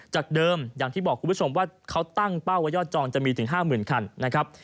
จากเดิมอย่างที่บอกคุณผู้ชมว่าเขาตั้งเป้าว่ายอดจองจะมีถึง๕๐๐๐คันนะครับ